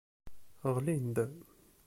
Ɣlin-d.